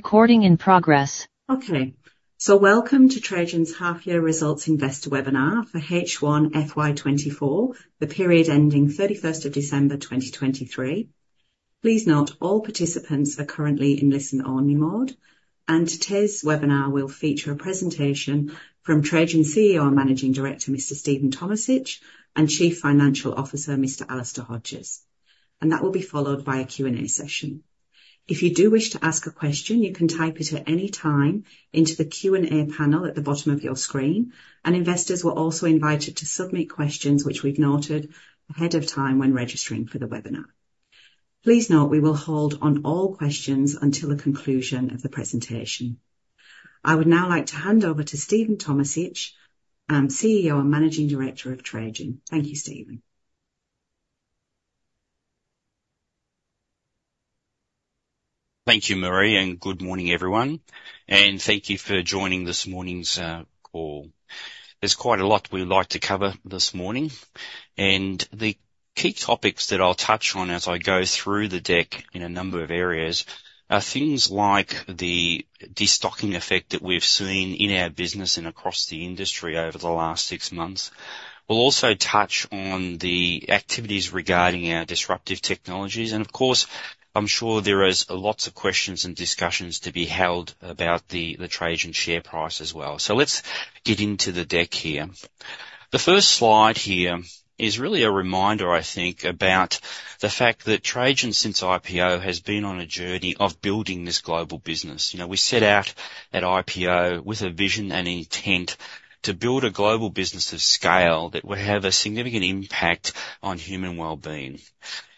Recording in progress. Okay, so welcome to Trajan's half-year results investor webinar for H1 FY24, the period ending 31st of December 2023. Please note, all participants are currently in listen-only mode, and today's webinar will feature a presentation from Trajan CEO and Managing Director Mr. Stephen Tomisich and Chief Financial Officer Mr. Alister Hodges, and that will be followed by a Q&A session. If you do wish to ask a question, you can type it at any time into the Q&A panel at the bottom of your screen, and investors were also invited to submit questions which we've noted ahead of time when registering for the webinar. Please note, we will hold on all questions until the conclusion of the presentation. I would now like to hand over to Stephen Tomisich, CEO and Managing Director of Trajan. Thank you, Stephen. Thank you, Marie, and good morning, everyone, and thank you for joining this morning's call. There's quite a lot we'd like to cover this morning, and the key topics that I'll touch on as I go through the deck in a number of areas are things like the destocking effect that we've seen in our business and across the industry over the last six months. We'll also touch on the activities regarding our disruptive technologies, and of course, I'm sure there are lots of questions and discussions to be held about the Trajan share price as well. Let's get into the deck here. The first slide here is really a reminder, I think, about the fact that Trajan, since IPO, has been on a journey of building this global business. We set out at IPO with a vision and intent to build a global business of scale that would have a significant impact on human well-being,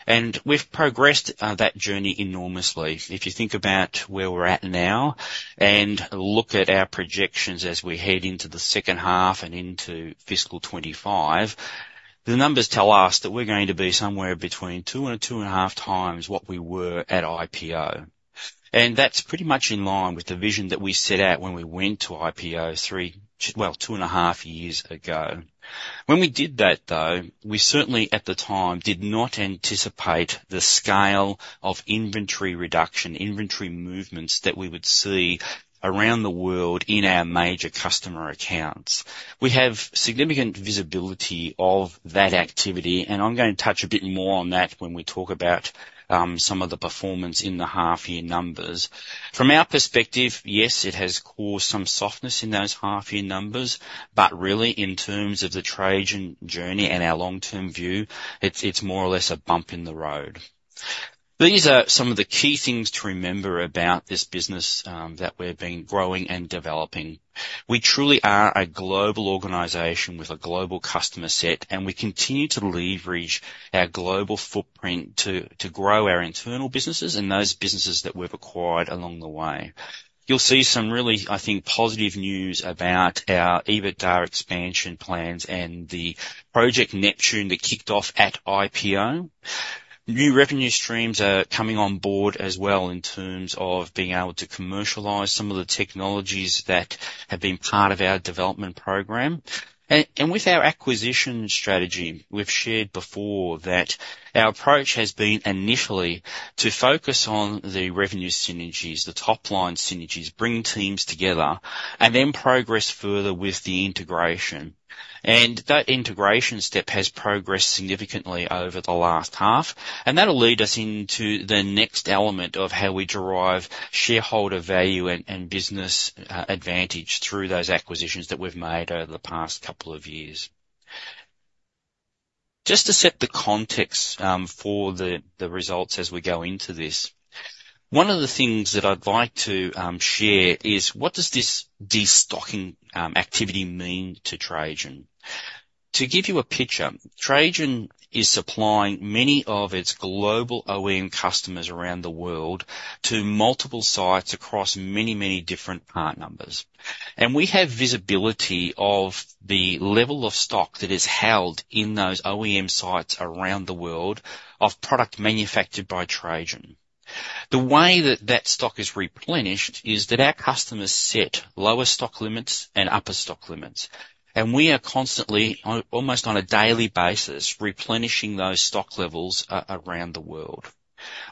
and we've progressed that journey enormously. If you think about where we're at now and look at our projections as we head into the second half and into fiscal 2025, the numbers tell us that we're going to be somewhere between 2 and 2.5 times what we were at IPO, and that's pretty much in line with the vision that we set out when we went to IPO 3, well, 2.5 years ago. When we did that, though, we certainly, at the time, did not anticipate the scale of inventory reduction, inventory movements that we would see around the world in our major customer accounts. We have significant visibility of that activity, and I'm going to touch a bit more on that when we talk about some of the performance in the half-year numbers. From our perspective, yes, it has caused some softness in those half-year numbers, but really, in terms of the Trajan journey and our long-term view, it's more or less a bump in the road. These are some of the key things to remember about this business that we're growing and developing. We truly are a global organization with a global customer set, and we continue to leverage our global footprint to grow our internal businesses and those businesses that we've acquired along the way. You'll see some really, I think, positive news about our EBITDA expansion plans and the Project Neptune that kicked off at IPO. New revenue streams are coming on board as well in terms of being able to commercialize some of the technologies that have been part of our development program. With our acquisition strategy, we've shared before that our approach has been initially to focus on the revenue synergies, the top-line synergies, bring teams together, and then progress further with the integration. That integration step has progressed significantly over the last half, and that'll lead us into the next element of how we derive shareholder value and business advantage through those acquisitions that we've made over the past couple of years. Just to set the context for the results as we go into this, one of the things that I'd like to share is what does this destocking activity mean to Trajan. To give you a picture, Trajan is supplying many of its global OEM customers around the world to multiple sites across many, many different part numbers, and we have visibility of the level of stock that is held in those OEM sites around the world of product manufactured by Trajan. The way that that stock is replenished is that our customers set lower stock limits and upper stock limits, and we are constantly, almost on a daily basis, replenishing those stock levels around the world.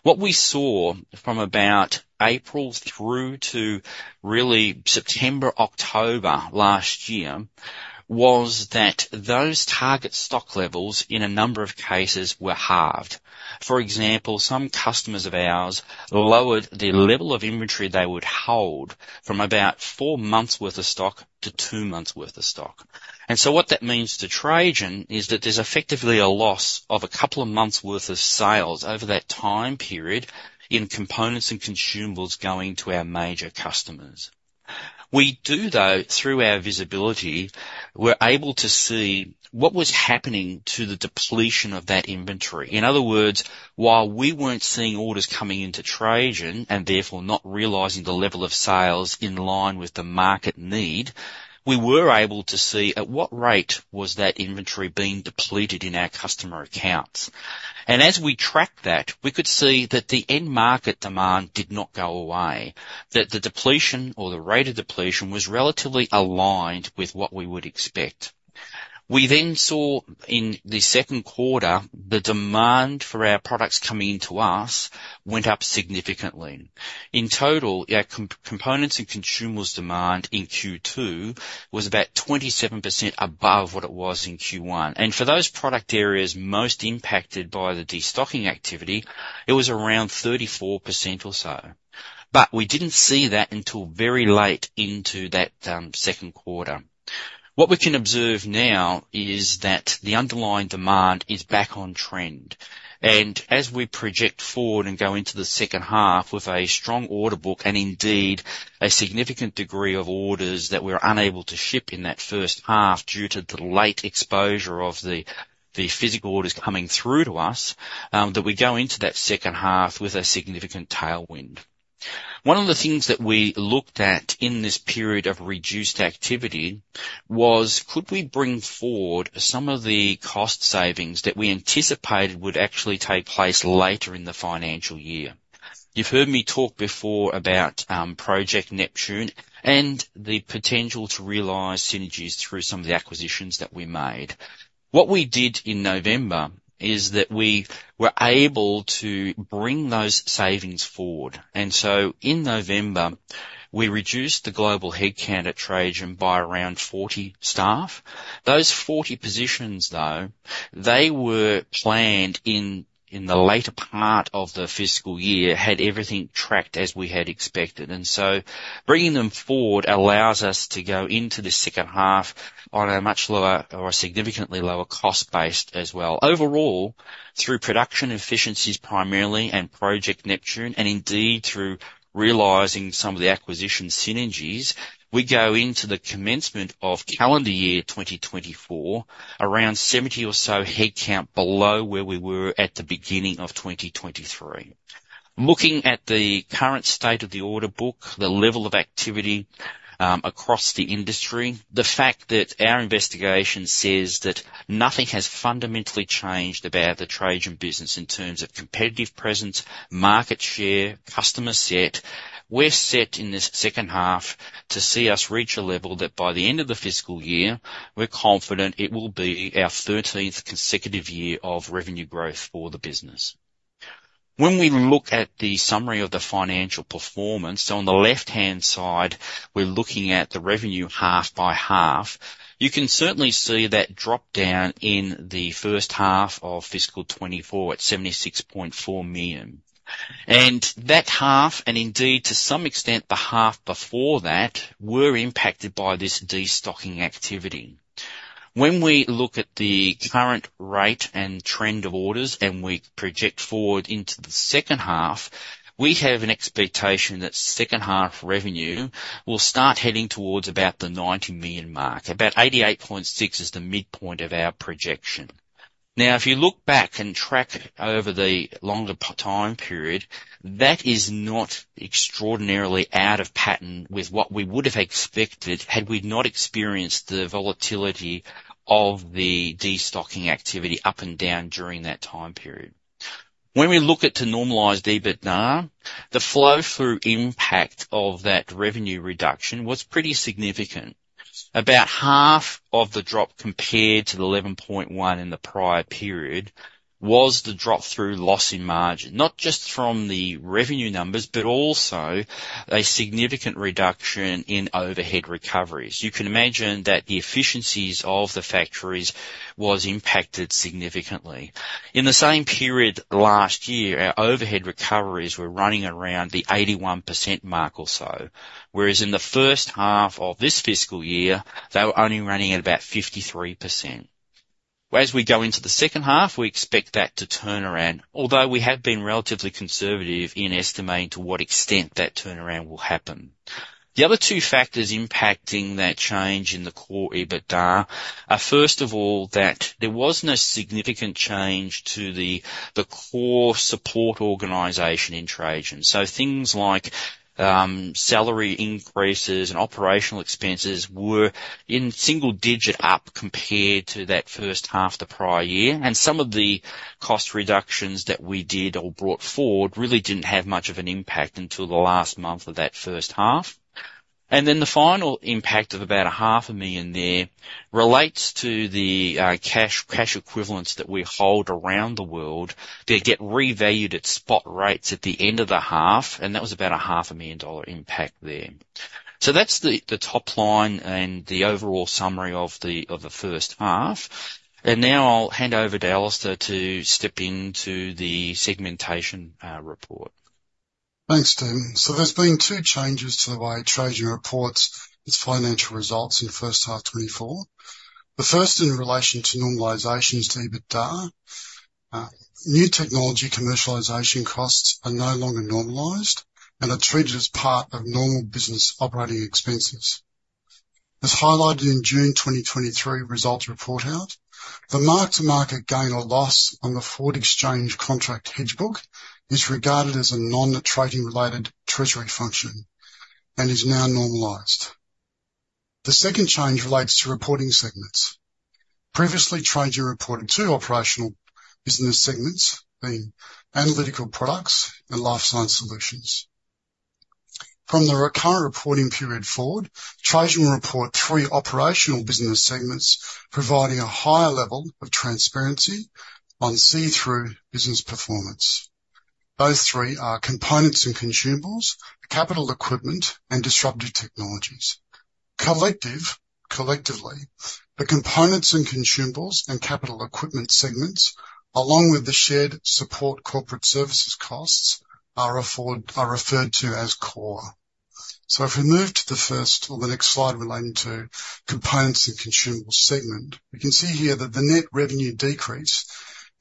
What we saw from about April through to really September, October last year was that those target stock levels, in a number of cases, were halved. For example, some customers of ours lowered the level of inventory they would hold from about four months' worth of stock to two months' worth of stock. What that means to Trajan is that there's effectively a loss of a couple of months' worth of sales over that time period in components and consumables going to our major customers. We do, though, through our visibility, we're able to see what was happening to the depletion of that inventory. In other words, while we weren't seeing orders coming into Trajan and therefore not realizing the level of sales in line with the market need, we were able to see at what rate was that inventory being depleted in our customer accounts. And as we tracked that, we could see that the end-market demand did not go away, that the depletion or the rate of depletion was relatively aligned with what we would. We then saw in Q2 the demand for our products coming into us went up significantly. In total, our components and consumables demand in Q2 was about 27% above what it was in Q1, and for those product areas most impacted by the destocking activity, it was around 34% or so. But we didn't see that until very late into that Q2. What we can observe now is that the underlying demand is back on trend, and as we project forward and go into the second half with a strong order book and indeed a significant degree of orders that we were unable to ship in that first half due to the late exposure of the physical orders coming through to us, that we go into that second half with a significant tailwind. One of the things that we looked at in this period of reduced activity was could we bring forward some of the cost savings that we anticipated would actually take place later in the financial year. You've heard me talk before about Project Neptune and the potential to realize synergies through some of the acquisitions that we made. What we did in November is that we were able to bring those savings forward, and so in November, we reduced the global headcount at Trajan by around 40 staff. Those 40 positions, though, they were planned in the later part of the fiscal year, had everything tracked as we had expected, and so bringing them forward allows us to go into the second half on a much lower or a significantly lower cost base as well. Overall, through production efficiencies primarily and Project Neptune and indeed through realizing some of the acquisition synergies, we go into the commencement of calendar year 2024 around 70 or so headcount below where we were at the beginning of 2023. Looking at the current state of the order book, the level of activity across the industry, the fact that our investigation says that nothing has fundamentally changed about the Trajan business in terms of competitive presence, market share, customer set, we're set in this second half to see us reach a level that by the end of the fiscal year, we're confident it will be our 13th consecutive year of revenue growth for the business. When we look at the summary of the financial performance, so on the left-hand side, we're looking at the revenue half by half, you can certainly see that drop down in the first half of fiscal 2024 at 76.4 million. That half and indeed, to some extent, the half before that were impacted by this destocking activity. When we look at the current rate and trend of orders and we project forward into the second half, we have an expectation that second-half revenue will start heading towards about the 90 million mark, about 88.6 million is the midpoint of our projection. Now, if you look back and track over the longer time period, that is not extraordinarily out of pattern with what we would have expected had we not experienced the volatility of the destocking activity up and down during that time period. When we look at to normalize EBITDA, the flow-through impact of that revenue reduction was pretty significant. About half of the drop compared to the 11.1 in the prior period was the drop-through loss in margin, not just from the revenue numbers but also a significant reduction in overhead recoveries. You can imagine that the efficiencies of the factories were impacted significantly. In the same period last year, our overhead recoveries were running around the 81% mark or so, whereas in the first half of this fiscal year, they were only running at about 53%. As we go into the second half, we expect that to turn around, although we have been relatively conservative in estimating to what extent that turnaround will happen. The other two factors impacting that change in the core EBITDA are, first of all, that there was no significant change to the core support organization in Trajan. So things like salary increases and operational expenses were in single-digit up compared to that first half of the prior year, and some of the cost reductions that we did or brought forward really didn't have much of an impact until the last month of that first half. And then the final impact of about 500,000 there relates to the cash equivalents that we hold around the world. They get revalued at spot rates at the end of the half, and that was about a 500,000 dollar impact there. So that's the top line and the overall summary of the first half. And now I'll hand over to Alister to step into the segmentation report. Thanks, Stephen. So there's been two changes to the way Trajan reports its financial results in first half 2024. The first in relation to normalisations to EBITDA. New technology commercialisation costs are no longer normalised and are treated as part of normal business operating expenses. As highlighted in June 2023 results report out, the mark-to-market gain or loss on the forward exchange contract hedge book is regarded as a non-trading-related treasury function and is now normalised. The second change relates to reporting segments. Previously, Trajan reported 2 operational business segments being analytical products and life science solutions. From the current reporting period forward, Trajan will report 3 operational business segments providing a higher level of transparency on see-through business performance. Those 3 are components and consumables, capital equipment, and disruptive technologies. Collectively, the components and consumables and capital equipment segments, along with the shared support corporate services costs, are referred to as core. So if we move to the first or the next slide relating to components and consumables segment, we can see here that the net revenue decrease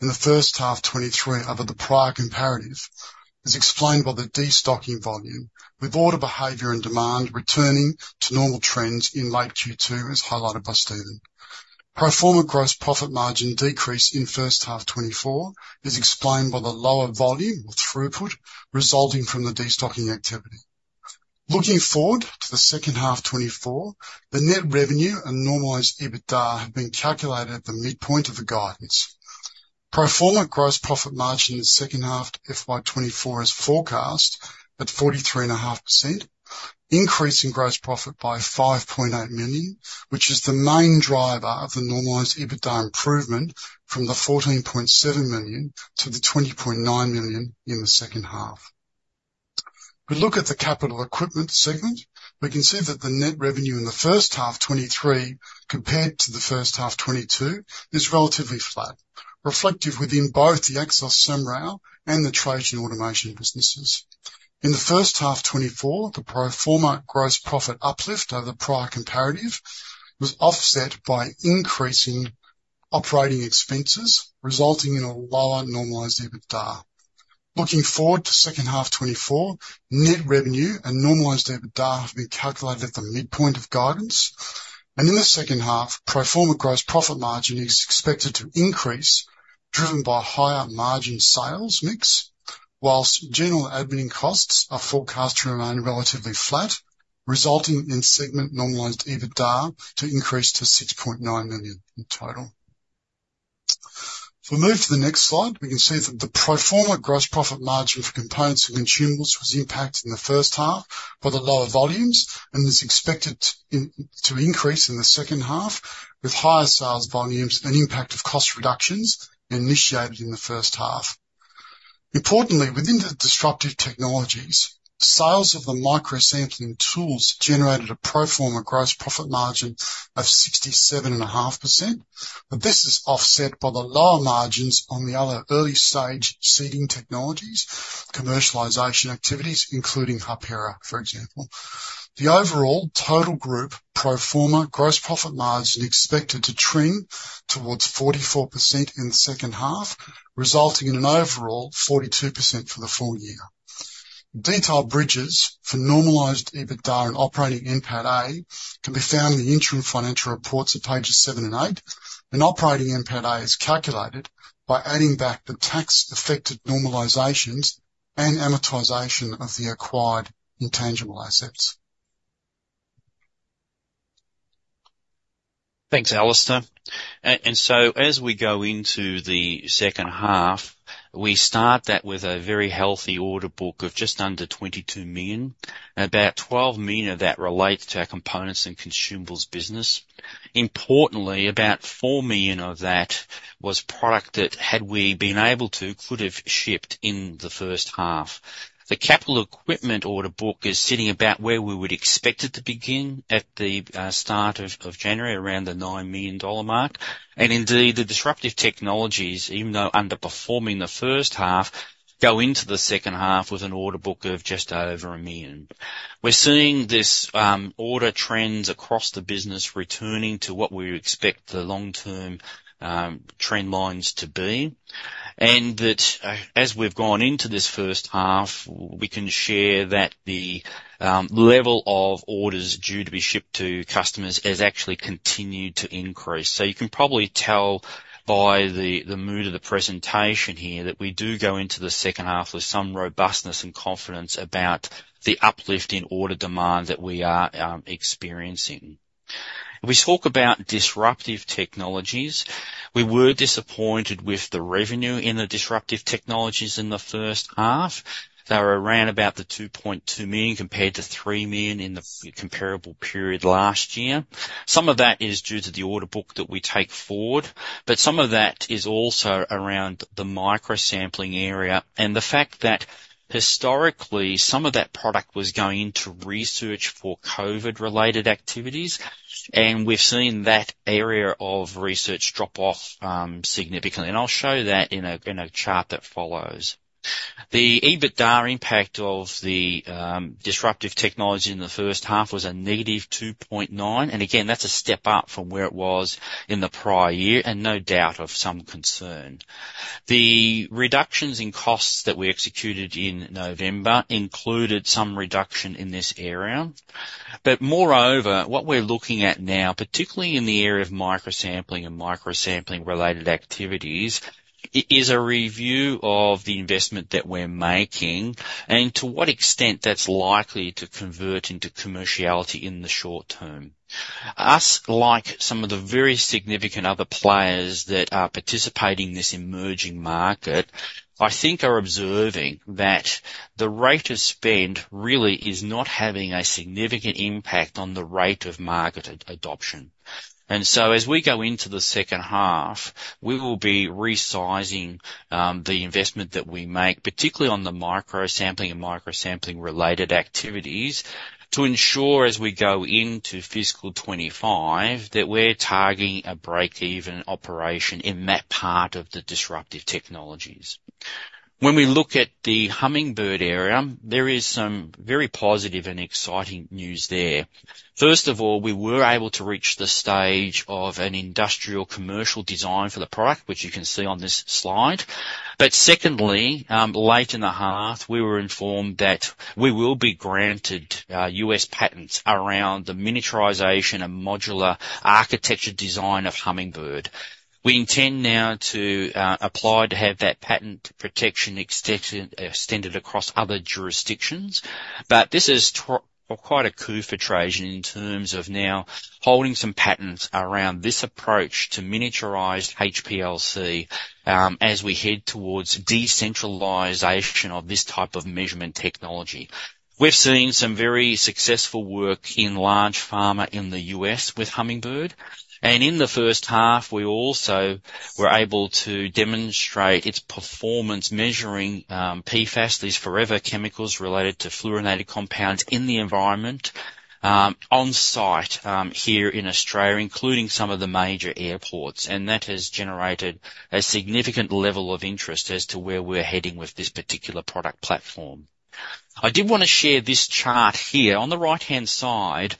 in the first half 2023 over the prior comparative is explained by the destocking volume with order behavior and demand returning to normal trends in late Q2, as highlighted by Stephen. Performance gross profit margin decrease in first half 2024 is explained by the lower volume or throughput resulting from the destocking activity. Looking forward to the second half 2024, the net revenue and normalized EBITDA have been calculated at the midpoint of the guidance. Performance gross profit margin in the second half FY 2024 is forecast at 43.5%, increasing gross profit by 5.8 million, which is the main driver of the normalized EBITDA improvement from the 14.7 million to the 20.9 million in the second half. We look at the capital equipment segment. We can see that the net revenue in the first half 2023 compared to the first half 2022 is relatively flat, reflective within both the Axel Semrau and the Trajan Automation businesses. In the first half 2024, the performance gross profit uplift over the prior comparative was offset by increasing operating expenses resulting in a lower normalized EBITDA. Looking forward to second half 2024, net revenue and normalized EBITDA have been calculated at the midpoint of guidance. In the second half, performance gross profit margin is expected to increase driven by higher margin sales mix, while general and administrative costs are forecast to remain relatively flat, resulting in segment normalized EBITDA to increase to 6.9 million in total. If we move to the next slide, we can see that the performance gross profit margin for components and consumables was impacted in the first half by the lower volumes and is expected to increase in the second half with higher sales volumes and impact of cost reductions initiated in the first half. Importantly, within the disruptive technologies, sales of the microsampling tools generated a performance gross profit margin of 67.5%, but this is offset by the lower margins on the other early-stage seeding technologies, commercialization activities including Harpera, for example. The overall total group performance gross profit margin is expected to trend towards 44% in the second half, resulting in an overall 42% for the full year. Detailed bridges for normalized EBITDA and Operating NPATA can be found in the interim financial reports at pages 7 and 8. Operating NPATA is calculated by adding back the tax-affected normalizations and amortization of the acquired intangible assets. Thanks, Alister. So as we go into the second half, we start that with a very healthy order book of just under 22 million. About 12 million of that relates to our components and consumables business. Importantly, about 4 million of that was product that, had we been able to, could have shipped in the first half. The capital equipment order book is sitting about where we would expect it to begin at the start of January, around the 9 million dollar mark. Indeed, the disruptive technologies, even though underperforming the first half, go into the second half with an order book of just over 1 million. We're seeing this order trends across the business returning to what we expect the long-term trend lines to be. And as we've gone into this first half, we can share that the level of orders due to be shipped to customers has actually continued to increase. So you can probably tell by the mood of the presentation here that we do go into the second half with some robustness and confidence about the uplift in order demand that we are experiencing. If we talk about disruptive technologies, we were disappointed with the revenue in the disruptive technologies in the first half. They were around about 2.2 million compared to 3 million in the comparable period last year. Some of that is due to the order book that we take forward, but some of that is also around the micro-sampling area and the fact that, historically, some of that product was going into research for COVID-related activities, and we've seen that area of research drop off significantly. I'll show that in a chart that follows. The EBITDA impact of the disruptive technology in the first half was -2.9. Again, that's a step up from where it was in the prior year and no doubt of some concern. The reductions in costs that we executed in November included some reduction in this area. Moreover, what we're looking at now, particularly in the area of micro-sampling and micro-sampling-related activities, is a review of the investment that we're making and to what extent that's likely to convert into commerciality in the short term. Us, like some of the very significant other players that are participating in this emerging market, I think are observing that the rate of spend really is not having a significant impact on the rate of market adoption. And so as we go into the second half, we will be resizing the investment that we make, particularly on the micro-sampling and micro-sampling-related activities, to ensure, as we go into fiscal 2025, that we're targeting a break-even operation in that part of the disruptive technologies. When we look at the Hummingbird area, there is some very positive and exciting news there. First of all, we were able to reach the stage of an industrial commercial design for the product, which you can see on this slide. But secondly, late in the half, we were informed that we will be granted U.S. patents around the miniaturization and modular architecture design of Hummingbird. We intend now to apply to have that patent protection extended across other jurisdictions. But this is quite a coup for Trajan in terms of now holding some patents around this approach to miniaturized HPLC as we head towards decentralization of this type of measurement technology. We've seen some very successful work in large pharma in the U.S. with Hummingbird. And in the first half, we also were able to demonstrate its performance measuring PFAS, these forever chemicals related to fluorinated compounds in the environment on-site here in Australia, including some of the major airports. And that has generated a significant level of interest as to where we're heading with this particular product platform. I did want to share this chart here. On the right-hand side,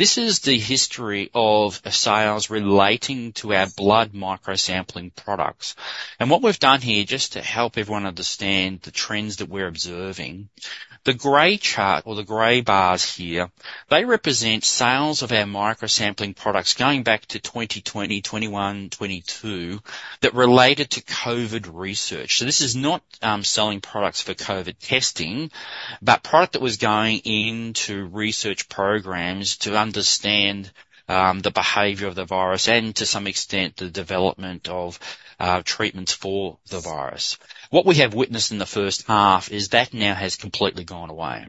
this is the history of sales relating to our blood micro-sampling products. And what we've done here, just to help everyone understand the trends that we're observing, the grey chart or the grey bars here, they represent sales of our microsampling products going back to 2020, 2021, 2022 that related to COVID research. So this is not selling products for COVID testing, but product that was going into research programs to understand the behavior of the virus and, to some extent, the development of treatments for the virus. What we have witnessed in the first half is that now has completely gone away.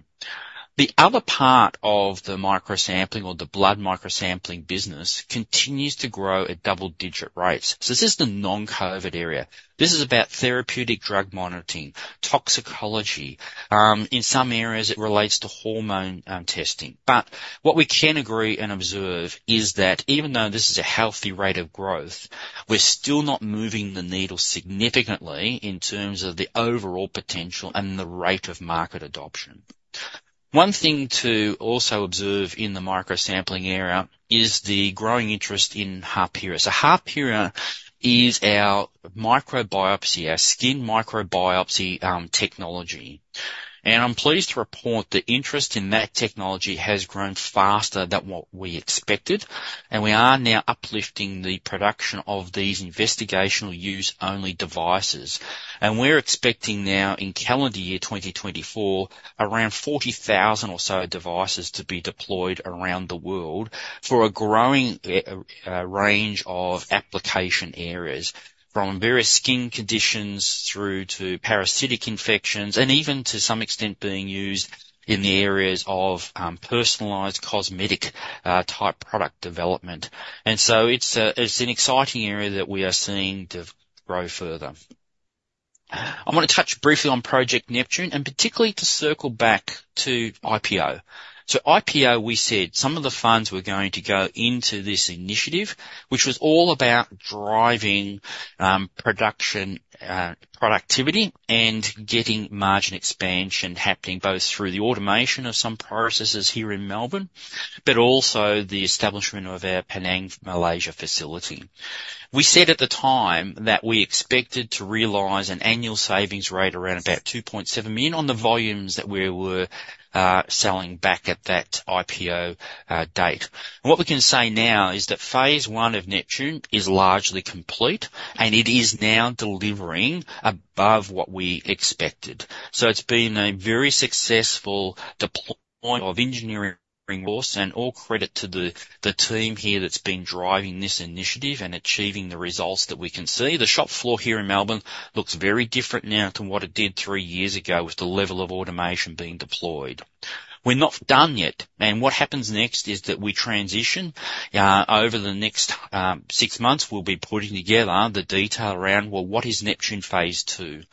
The other part of the microsampling or the blood microsampling business continues to grow at double-digit rates. So this is the non-COVID area. This is about therapeutic drug monitoring, toxicology. In some areas, it relates to hormone testing. But what we can agree and observe is that even though this is a healthy rate of growth, we're still not moving the needle significantly in terms of the overall potential and the rate of market adoption. One thing to also observe in the micro-sampling area is the growing interest in Harpera. So Harpera is our microbiopsy, our skin microbiopsy technology. And I'm pleased to report the interest in that technology has grown faster than what we expected. And we are now uplifting the production of these investigational use-only devices. And we're expecting now, in calendar year 2024, around 40,000 or so devices to be deployed around the world for a growing range of application areas, from various skin conditions through to parasitic infections and even to some extent being used in the areas of personalized cosmetic-type product development. So it's an exciting area that we are seeing to grow further. I want to touch briefly on Project Neptune and particularly to circle back to IPO. So IPO, we said some of the funds were going to go into this initiative, which was all about driving production, productivity, and getting margin expansion happening both through the automation of some processes here in Melbourne but also the establishment of our Penang, Malaysia, facility. We said at the time that we expected to realize an annual savings rate around about 2.7 million on the volumes that we were selling back at that IPO date. What we can say now is that phase one of Neptune is largely complete, and it is now delivering above what we expected. So it's been a very successful deployment of engineering resources, and all credit to the team here that's been driving this initiative and achieving the results that we can see. The shop floor here in Melbourne looks very different now to what it did three years ago with the level of automation being deployed. We're not done yet. What happens next is that we transition. Over the next six months, we'll be putting together the detail around, well, what is Neptune phase two?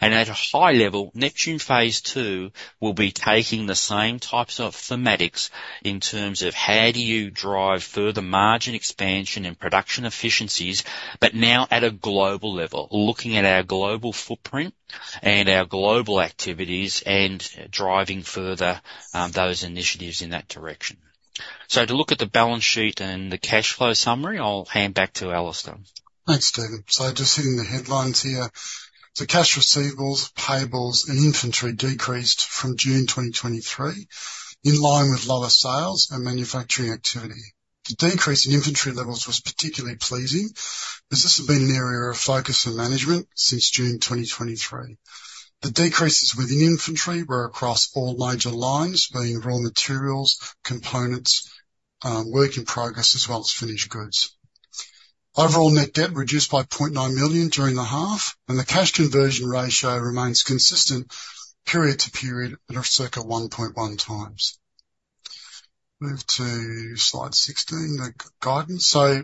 And at a high level, Neptune phase two will be taking the same types of thematics in terms of how do you drive further margin expansion and production efficiencies but now at a global level, looking at our global footprint and our global activities and driving further those initiatives in that direction. To look at the balance sheet and the cash flow summary, I'll hand back to Alister. Thanks, Stephen. So just hitting the headlines here. So cash receivables, payables, and inventory decreased from June 2023 in line with lower sales and manufacturing activity. The decrease in inventory levels was particularly pleasing as this had been an area of focus and management since June 2023. The decreases within inventory were across all major lines, being raw materials, components, work in progress, as well as finished goods. Overall net debt reduced by 0.9 million during the half, and the cash conversion ratio remains consistent period to period at circa 1.1 times. Move to slide 16, the guidance. So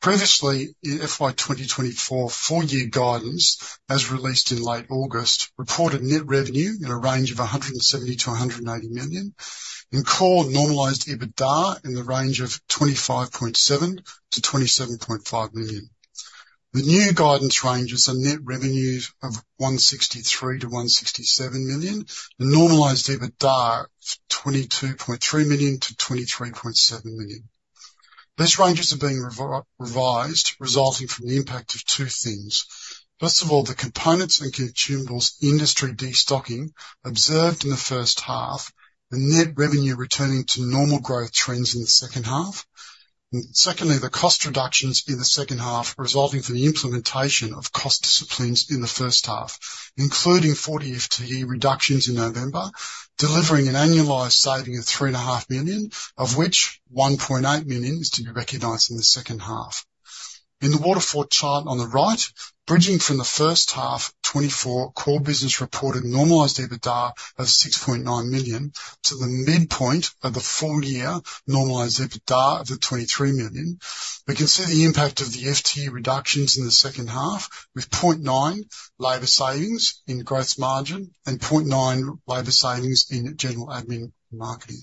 previously, in FY 2024, full-year guidance, as released in late August, reported net revenue in a range of 170 million-180 million and called normalized EBITDA in the range of 25.7 million-27.5 million. The new guidance ranges are net revenues of 163 million-167 million and normalized EBITDA of 22.3 million-23.7 million. These ranges are being revised, resulting from the impact of two things. First of all, the components and consumables industry destocking observed in the first half and net revenue returning to normal growth trends in the second half. Secondly, the cost reductions in the second half resulting from the implementation of cost disciplines in the first half, including 40 FTE reductions in November, delivering an annualized saving of 3.5 million, of which 1.8 million is to be recognized in the second half. In the waterfall chart on the right, bridging from the first half, 2024, core business reported normalized EBITDA of 6.9 million to the midpoint of the full-year normalized EBITDA of the 23 million. We can see the impact of the FTE reductions in the second half with 0.9 million labor savings in gross margin and 0.9 million labor savings in general admin marketing.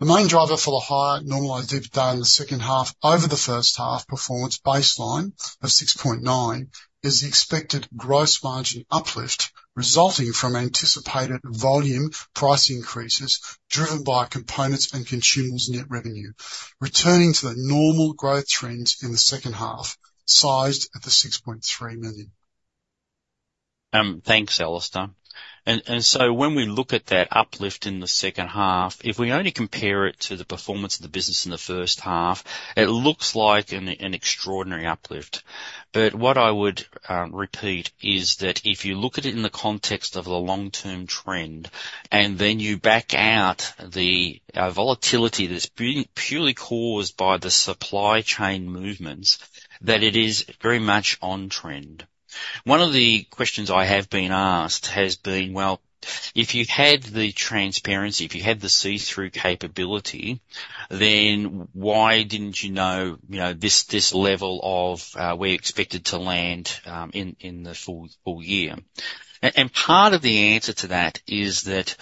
The main driver for the higher normalized EBITDA in the second half over the first half performance baseline of 6.9 million is the expected gross margin uplift resulting from anticipated volume price increases driven by components and consumables net revenue, returning to the normal growth trends in the second half, sized at 6.3 million. Thanks, Alister. And so when we look at that uplift in the second half, if we only compare it to the performance of the business in the first half, it looks like an extraordinary uplift. But what I would repeat is that if you look at it in the context of the long-term trend and then you back out the volatility that's purely caused by the supply chain movements, that it is very much on-trend. One of the questions I have been asked has been, well, if you had the transparency, if you had the see-through capability, then why didn't you know this level of where you expected to land in the full year? Part of the answer to that is that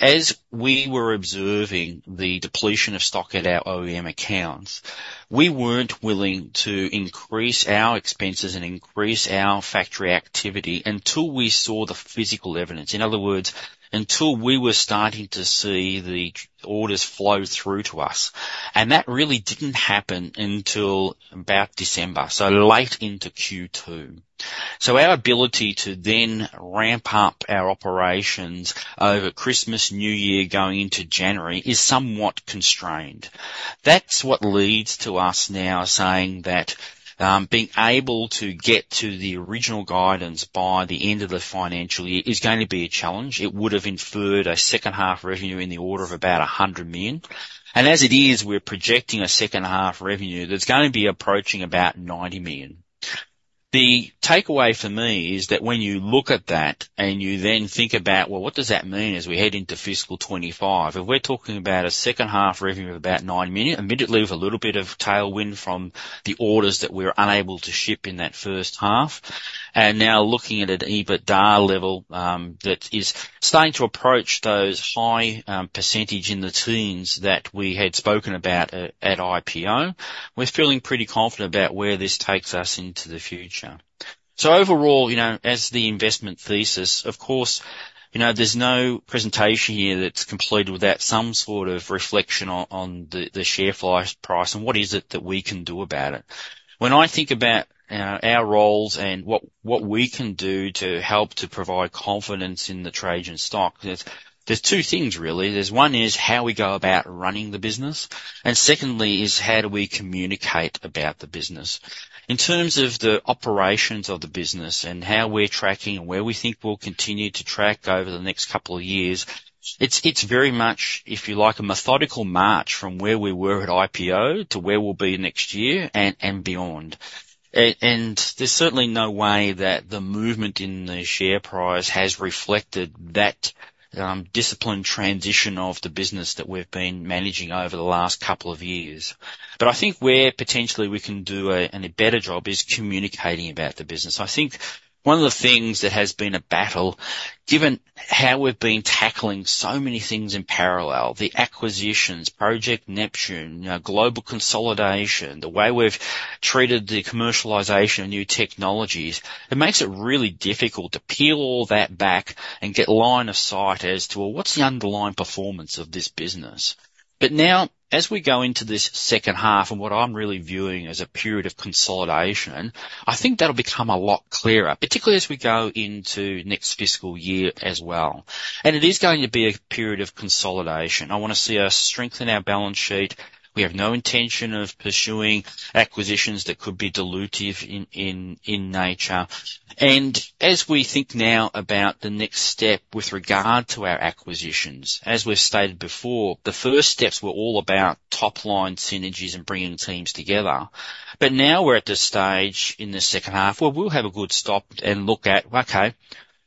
as we were observing the depletion of stock at our OEM accounts, we weren't willing to increase our expenses and increase our factory activity until we saw the physical evidence. In other words, until we were starting to see the orders flow through to us. That really didn't happen until about December, so late into Q2. Our ability to then ramp up our operations over Christmas, New Year, going into January is somewhat constrained. That's what leads to us now saying that being able to get to the original guidance by the end of the financial year is going to be a challenge. It would have inferred a second-half revenue in the order of about 100 million. As it is, we're projecting a second-half revenue that's going to be approaching about 90 million. The takeaway for me is that when you look at that and you then think about, well, what does that mean as we head into fiscal 2025? If we're talking about a second-half revenue of about 90 million, immediately with a little bit of tailwind from the orders that we were unable to ship in that first half and now looking at an EBITDA level that is starting to approach those high percentage in the teens that we had spoken about at IPO, we're feeling pretty confident about where this takes us into the future. So overall, as the investment thesis, of course, there's no presentation here that's completed without some sort of reflection on the share price and what is it that we can do about it. When I think about our roles and what we can do to help to provide confidence in the Trajan stock, there's two things, really. There's one is how we go about running the business. And secondly is how do we communicate about the business. In terms of the operations of the business and how we're tracking and where we think we'll continue to track over the next couple of years, it's very much, if you like, a methodical march from where we were at IPO to where we'll be next year and beyond. And there's certainly no way that the movement in the share price has reflected that disciplined transition of the business that we've been managing over the last couple of years. But I think where potentially we can do a better job is communicating about the business. I think one of the things that has been a battle, given how we've been tackling so many things in parallel, the acquisitions, Project Neptune, global consolidation, the way we've treated the commercialization of new technologies, it makes it really difficult to peel all that back and get line of sight as to, well, what's the underlying performance of this business? But now, as we go into this second half and what I'm really viewing as a period of consolidation, I think that'll become a lot clearer, particularly as we go into next fiscal year as well. And it is going to be a period of consolidation. I want to see us strengthen our balance sheet. We have no intention of pursuing acquisitions that could be dilutive in nature. As we think now about the next step with regard to our acquisitions, as we've stated before, the first steps were all about top-line synergies and bringing teams together. Now we're at this stage in the second half where we'll have a good stop and look at, okay,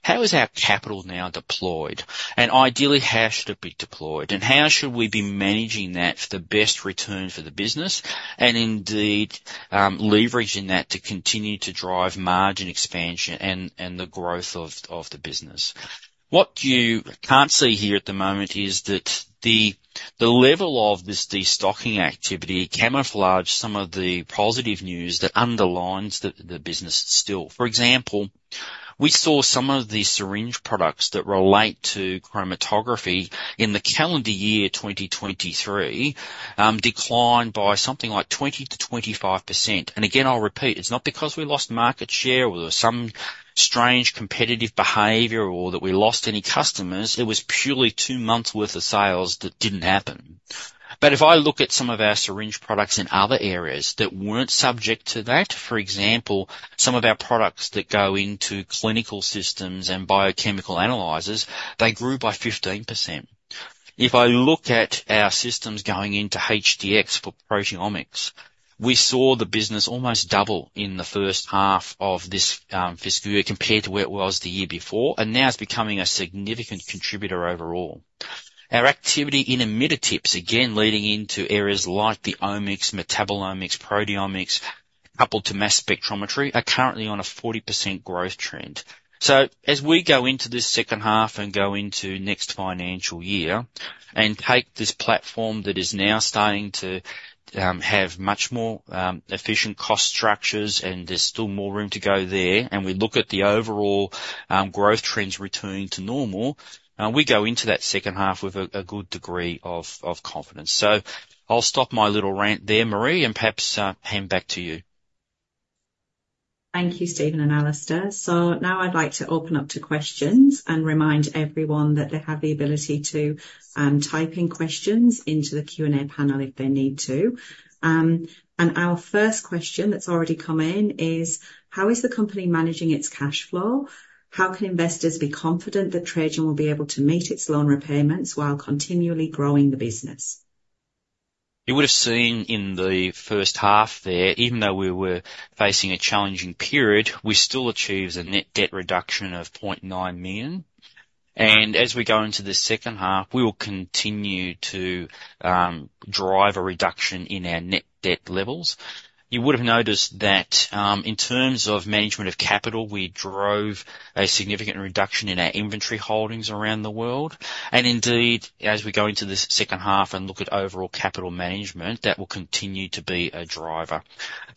how is our capital now deployed and ideally, how should it be deployed? How should we be managing that for the best return for the business and indeed leveraging that to continue to drive margin expansion and the growth of the business? What you can't see here at the moment is that the level of this destocking activity camouflaged some of the positive news that underlines the business still. For example, we saw some of the syringe products that relate to chromatography in the calendar year 2023 decline by something like 20%-25%. Again, I'll repeat, it's not because we lost market share or there was some strange competitive behavior or that we lost any customers. It was purely two months' worth of sales that didn't happen. If I look at some of our syringe products in other areas that weren't subject to that, for example, some of our products that go into clinical systems and biochemical analyses, they grew by 15%. If I look at our systems going into HDX for proteomics, we saw the business almost double in the first half of this fiscal year compared to where it was the year before. Now it's becoming a significant contributor overall. Our activity in ImmunoTips, again, leading into areas like the omics, metabolomics, proteomics, coupled to mass spectrometry, are currently on a 40% growth trend. As we go into this second half and go into next financial year and take this platform that is now starting to have much more efficient cost structures and there's still more room to go there, and we look at the overall growth trends returning to normal, we go into that second half with a good degree of confidence. I'll stop my little rant there, Marie, and perhaps hand back to you. Thank you, Stephen and Alister. So now I'd like to open up to questions and remind everyone that they have the ability to type in questions into the Q&A panel if they need to. Our first question that's already come in is, how is the company managing its cash flow? How can investors be confident that Trajan will be able to meet its loan repayments while continually growing the business? You would have seen in the first half there, even though we were facing a challenging period, we still achieved a net debt reduction of 0.9 million. As we go into the second half, we will continue to drive a reduction in our net debt levels. You would have noticed that in terms of management of capital, we drove a significant reduction in our inventory holdings around the world. Indeed, as we go into this second half and look at overall capital management, that will continue to be a driver.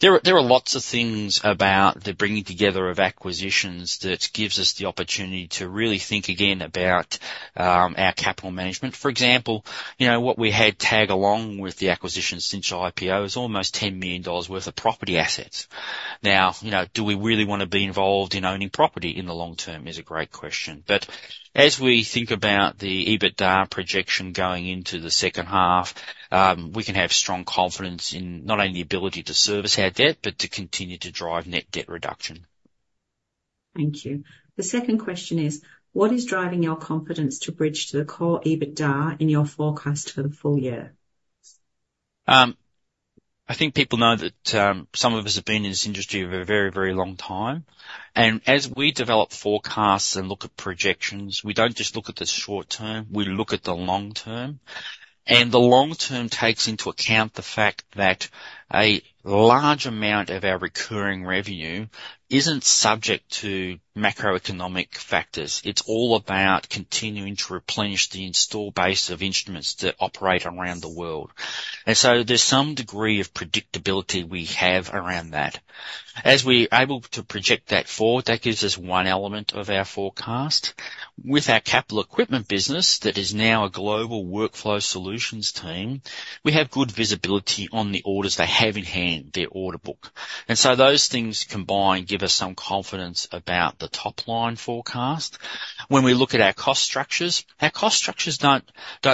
There are lots of things about the bringing together of acquisitions that gives us the opportunity to really think again about our capital management. For example, what we had tag along with the acquisitions since IPO is almost 10 million dollars worth of property assets. Now, "do we really want to be involved in owning property in the long term" is a great question. But as we think about the EBITDA projection going into the second half, we can have strong confidence in not only the ability to service our debt but to continue to drive net debt reduction. Thank you. The second question is, what is driving your confidence to bridge to the core EBITDA in your forecast for the full year? I think people know that some of us have been in this industry for a very, very long time. As we develop forecasts and look at projections, we don't just look at the short term. We look at the long term. The long term takes into account the fact that a large amount of our recurring revenue isn't subject to macroeconomic factors. It's all about continuing to replenish the installed base of instruments that operate around the world. So there's some degree of predictability we have around that. As we're able to project that forward, that gives us one element of our forecast. With our capital equipment business that is now a global workflow solutions team, we have good visibility on the orders they have in hand, their order book. Those things combined give us some confidence about the top-line forecast. When we look at our cost structures, our cost structures don't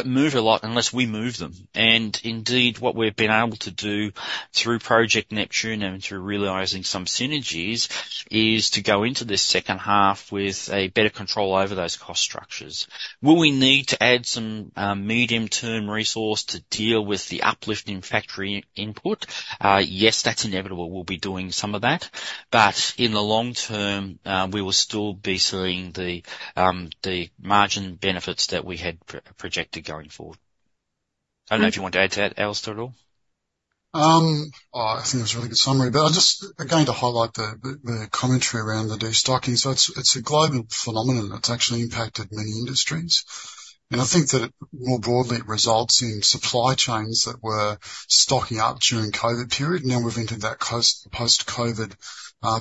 move a lot unless we move them. And indeed, what we've been able to do through Project Neptune and through realizing some synergies is to go into this second half with a better control over those cost structures. Will we need to add some medium-term resource to deal with the uplift in factory input? Yes, that's inevitable. We'll be doing some of that. But in the long term, we will still be seeing the margin benefits that we had projected going forward. I don't know if you want to add to that, Alister, at all. I think that's a really good summary. But I'm just going to highlight the commentary around the destocking. So it's a global phenomenon that's actually impacted many industries. And I think that more broadly, it results in supply chains that were stocking up during COVID period. Now we've entered that post-COVID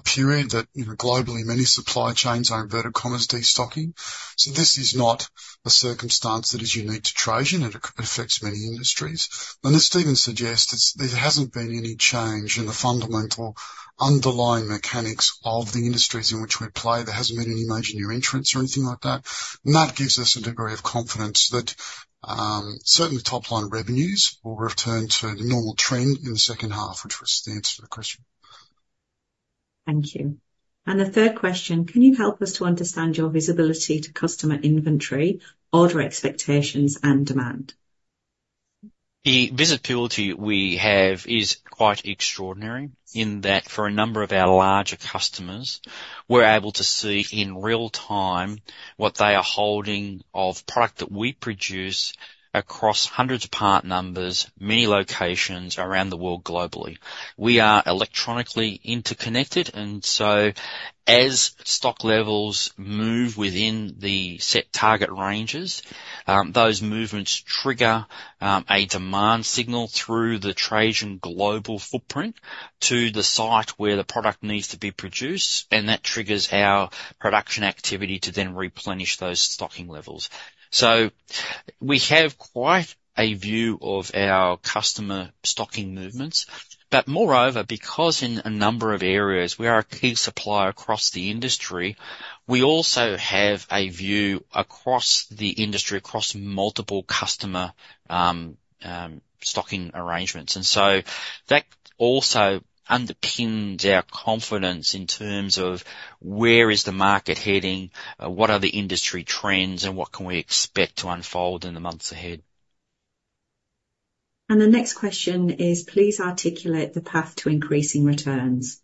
period that globally, many supply chains are - inverted commas - destocking. So this is not a circumstance that is unique to Trajan. It affects many industries. And as Stephen suggests, there hasn't been any change in the fundamental underlying mechanics of the industries in which we play. There hasn't been any major new entrants or anything like that. And that gives us a degree of confidence that certainly top-line revenues will return to the normal trend in the second half, which was the answer to the question. Thank you. And the third question, can you help us to understand your visibility to customer inventory, order expectations, and demand? The visibility we have is quite extraordinary in that for a number of our larger customers, we're able to see in real time what they are holding of product that we produce across hundreds of part numbers, many locations around the world globally. We are electronically interconnected. And so as stock levels move within the set target ranges, those movements trigger a demand signal through the Trajan global footprint to the site where the product needs to be produced. And that triggers our production activity to then replenish those stocking levels. So we have quite a view of our customer stocking movements. But moreover, because in a number of areas, we are a key supplier across the industry, we also have a view across the industry, across multiple customer stocking arrangements. And so that also underpins our confidence in terms of where is the market heading, what are the industry trends, and what can we expect to unfold in the months ahead. The next question is, please articulate the path to increasing returns.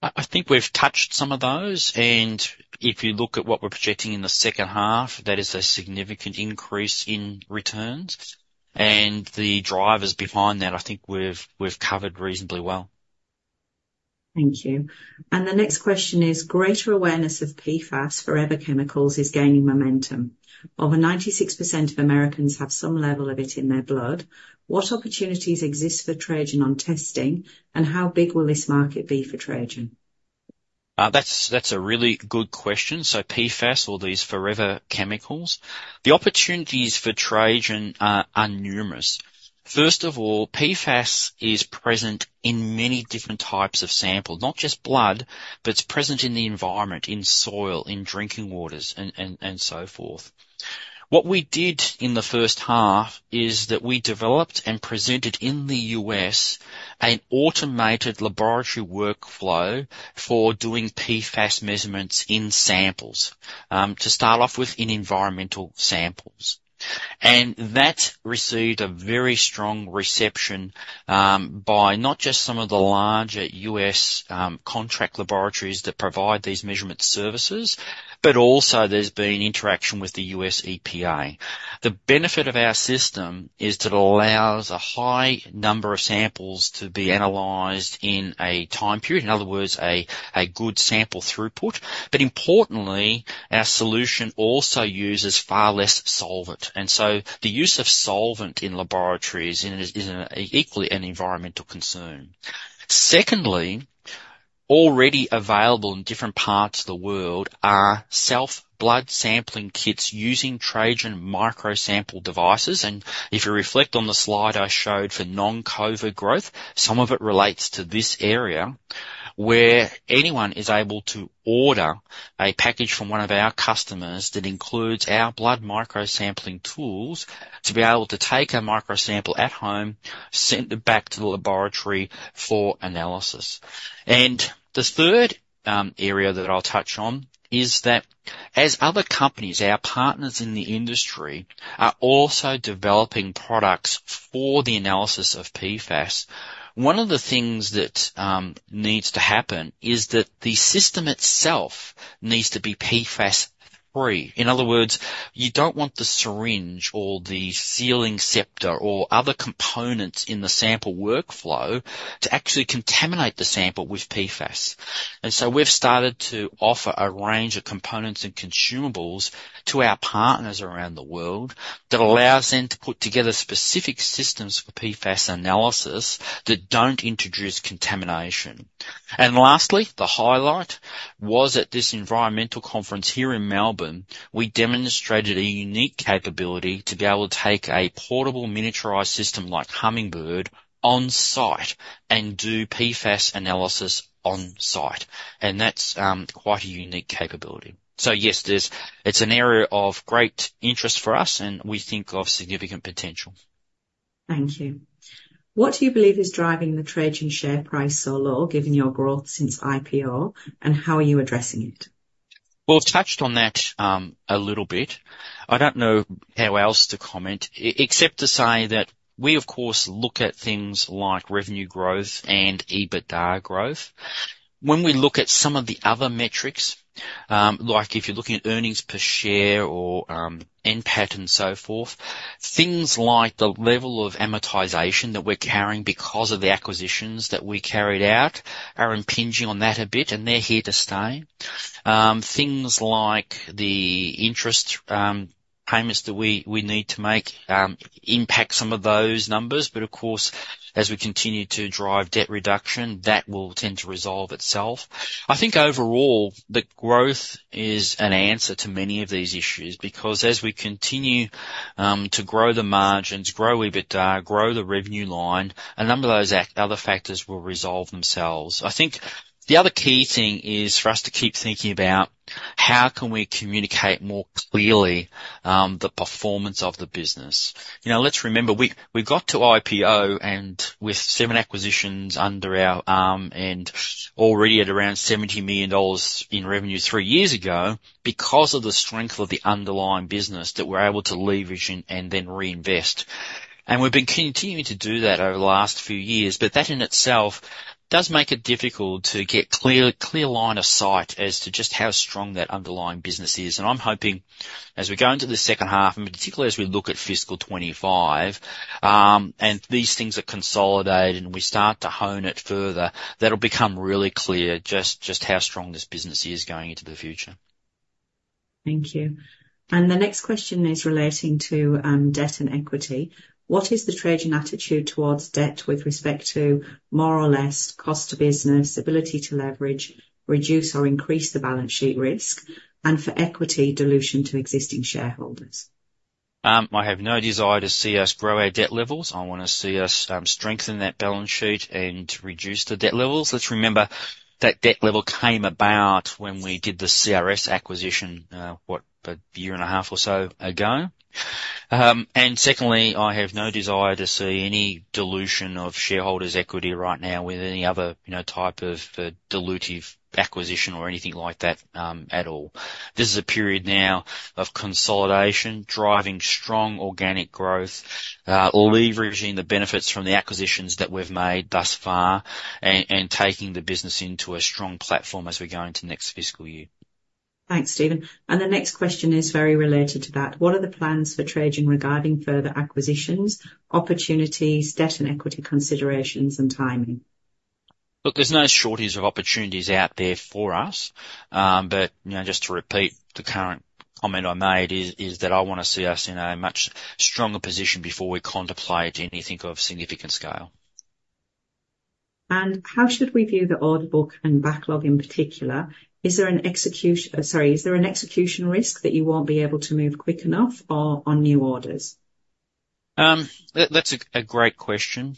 I think we've touched some of those. If you look at what we're projecting in the second half, that is a significant increase in returns. The drivers behind that, I think we've covered reasonably well. Thank you. The next question is, greater awareness of PFAS, Forever Chemicals, is gaining momentum. Over 96% of Americans have some level of it in their blood. What opportunities exist for Trajan on testing, and how big will this market be for Trajan? That's a really good question. So PFAS, or these Forever Chemicals, the opportunities for Trajan are numerous. First of all, PFAS is present in many different types of sample, not just blood, but it's present in the environment, in soil, in drinking waters, and so forth. What we did in the first half is that we developed and presented in the U.S. an automated laboratory workflow for doing PFAS measurements in samples, to start off with in environmental samples. And that received a very strong reception by not just some of the larger U.S. contract laboratories that provide these measurement services, but also there's been interaction with the U.S. EPA. The benefit of our system is that it allows a high number of samples to be analyzed in a time period, in other words, a good sample throughput. But importantly, our solution also uses far less solvent. So the use of solvent in laboratories is equally an environmental concern. Secondly, already available in different parts of the world are self-blood sampling kits using Trajan microsample devices. If you reflect on the slide I showed for non-COVID growth, some of it relates to this area where anyone is able to order a package from one of our customers that includes our blood microsampling tools to be able to take a microsample at home, send it back to the laboratory for analysis. The third area that I'll touch on is that as other companies, our partners in the industry, are also developing products for the analysis of PFAS, one of the things that needs to happen is that the system itself needs to be PFAS-free. In other words, you don't want the syringe or the sealing septa or other components in the sample workflow to actually contaminate the sample with PFAS. And so we've started to offer a range of components and consumables to our partners around the world that allows them to put together specific systems for PFAS analysis that don't introduce contamination. And lastly, the highlight was at this environmental conference here in Melbourne. We demonstrated a unique capability to be able to take a portable miniaturized system like Hummingbird on site and do PFAS analysis on site. And that's quite a unique capability. So yes, it's an area of great interest for us, and we think of significant potential. Thank you. What do you believe is driving the Trajan share price so low, given your growth since IPO, and how are you addressing it? Well, I've touched on that a little bit. I don't know how else to comment except to say that we, of course, look at things like revenue growth and EBITDA growth. When we look at some of the other metrics, like if you're looking at earnings per share or NPAT and so forth, things like the level of amortization that we're carrying because of the acquisitions that we carried out are impinging on that a bit. And they're here to stay. Things like the interest payments that we need to make impact some of those numbers. But of course, as we continue to drive debt reduction, that will tend to resolve itself. I think overall, the growth is an answer to many of these issues because as we continue to grow the margins, grow EBITDA, grow the revenue line, a number of those other factors will resolve themselves. I think the other key thing is for us to keep thinking about how can we communicate more clearly the performance of the business. Let's remember, we got to IPO with seven acquisitions under our arm and already at around 70 million dollars in revenue three years ago because of the strength of the underlying business that we're able to leverage and then reinvest. And we've been continuing to do that over the last few years. But that in itself does make it difficult to get a clear line of sight as to just how strong that underlying business is. And I'm hoping as we go into the second half, and particularly as we look at fiscal 2025 and these things are consolidated and we start to hone it further, that'll become really clear just how strong this business is going into the future. Thank you. The next question is relating to debt and equity. What is the Trajan attitude towards debt with respect to more or less cost of business, ability to leverage, reduce or increase the balance sheet risk, and for equity dilution to existing shareholders? I have no desire to see us grow our debt levels. I want to see us strengthen that balance sheet and reduce the debt levels. Let's remember that debt level came about when we did the CRS acquisition a year and a half or so ago. And secondly, I have no desire to see any dilution of shareholders' equity right now with any other type of dilutive acquisition or anything like that at all. This is a period now of consolidation, driving strong organic growth, leveraging the benefits from the acquisitions that we've made thus far, and taking the business into a strong platform as we go into next fiscal year. Thanks, Stephen. The next question is very related to that. What are the plans for Trajan regarding further acquisitions, opportunities, debt and equity considerations, and timing? Look, there's no shortage of opportunities out there for us. But just to repeat the current comment I made, is that I want to see us in a much stronger position before we contemplate anything of significant scale. How should we view the order book and backlog in particular? Is there an execution risk that you won't be able to move quick enough on new orders? That's a great question.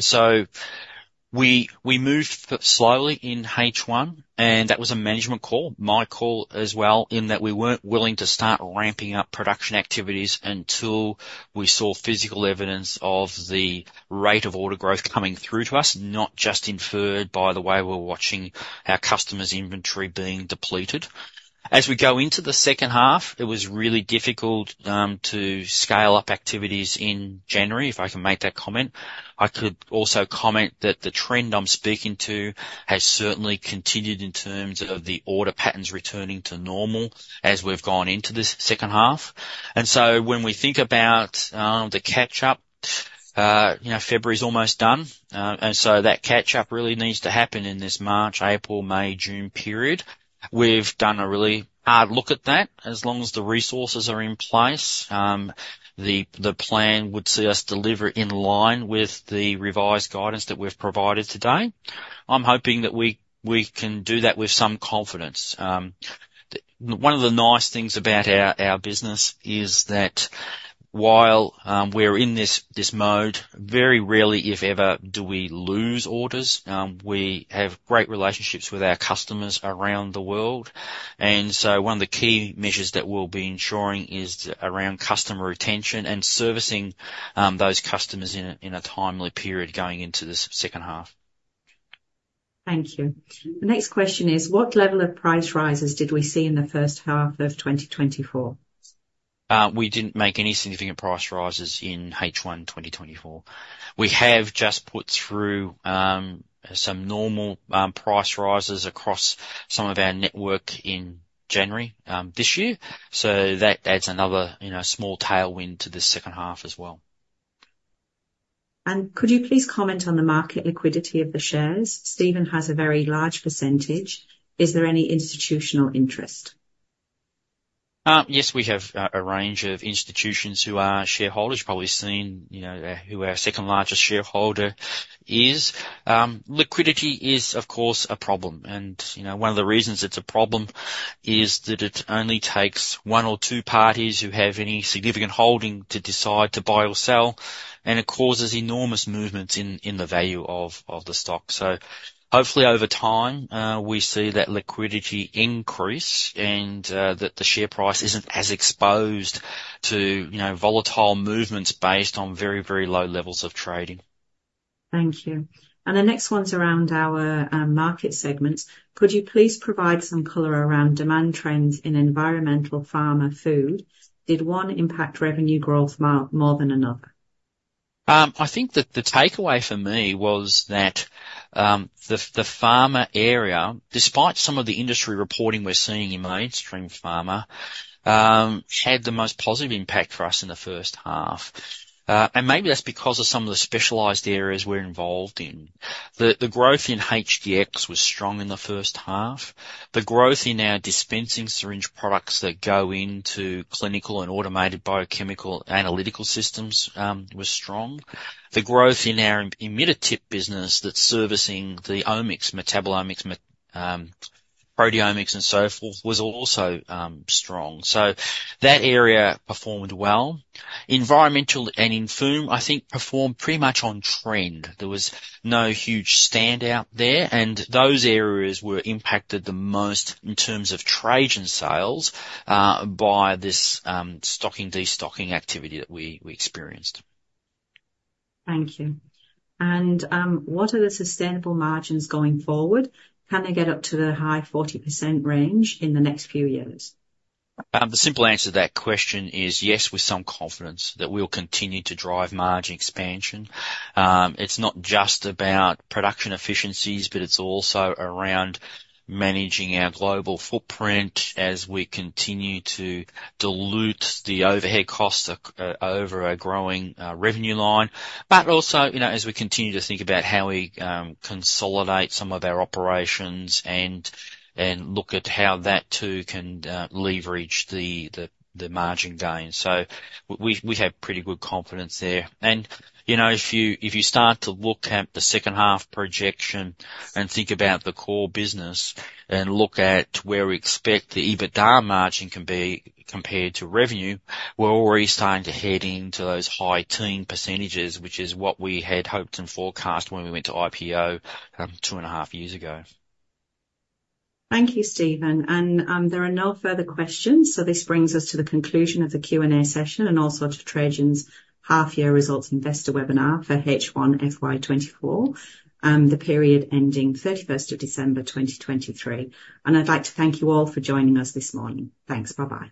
So we moved slowly in H1. That was a management call, my call as well, in that we weren't willing to start ramping up production activities until we saw physical evidence of the rate of order growth coming through to us, not just inferred by the way we're watching our customers' inventory being depleted. As we go into the second half, it was really difficult to scale up activities in January, if I can make that comment. I could also comment that the trend I'm speaking to has certainly continued in terms of the order patterns returning to normal as we've gone into this second half. So when we think about the catch-up, February's almost done. That catch-up really needs to happen in this March, April, May, June period. We've done a really hard look at that. As long as the resources are in place, the plan would see us deliver in line with the revised guidance that we've provided today. I'm hoping that we can do that with some confidence. One of the nice things about our business is that while we're in this mode, very rarely, if ever, do we lose orders. We have great relationships with our customers around the world. So one of the key measures that we'll be ensuring is around customer retention and servicing those customers in a timely period going into this second half. Thank you. The next question is, what level of price rises did we see in the first half of 2024? We didn't make any significant price rises in H1 2024. We have just put through some normal price rises across some of our network in January this year. That adds another small tailwind to the second half as well. Could you please comment on the market liquidity of the shares? Stephen has a very large percentage. Is there any institutional interest? Yes, we have a range of institutions who are shareholders. You've probably seen who our second largest shareholder is. Liquidity is, of course, a problem. And one of the reasons it's a problem is that it only takes one or two parties who have any significant holding to decide to buy or sell. And it causes enormous movements in the value of the stock. So hopefully, over time, we see that liquidity increase and that the share price isn't as exposed to volatile movements based on very, very low levels of trading. Thank you. The next one's around our market segment. Could you please provide some color around demand trends in environmental, pharma, food? Did one impact revenue growth more than another? I think that the takeaway for me was that the pharma area, despite some of the industry reporting we're seeing in mainstream pharma, had the most positive impact for us in the first half. And maybe that's because of some of the specialized areas we're involved in. The growth in HDX was strong in the first half. The growth in our dispensing syringe products that go into clinical and automated biochemical analytical systems was strong. The growth in our ImmunoTip business that's servicing the omics, metabolomics, proteomics, and so forth was also strong. So that area performed well. Environmental and infusion, I think, performed pretty much on trend. There was no huge standout there. And those areas were impacted the most in terms of Trajan sales by this stocking-destocking activity that we experienced. Thank you. And what are the sustainable margins going forward? Can they get up to the high 40% range in the next few years? The simple answer to that question is yes, with some confidence, that we'll continue to drive margin expansion. It's not just about production efficiencies, but it's also around managing our global footprint as we continue to dilute the overhead costs over a growing revenue line, but also as we continue to think about how we consolidate some of our operations and look at how that, too, can leverage the margin gain. So we have pretty good confidence there. And if you start to look at the second half projection and think about the core business and look at where we expect the EBITDA margin can be compared to revenue, we're already starting to head into those high teen percentages, which is what we had hoped and forecast when we went to IPO two and a half years ago. Thank you, Stephen. There are no further questions. This brings us to the conclusion of the Q&A session and also to Trajan's half-year results investor webinar for H1 FY24, the period ending 31st of December 2023. I'd like to thank you all for joining us this morning. Thanks. Bye-bye.